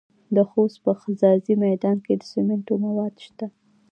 د خوست په ځاځي میدان کې د سمنټو مواد شته.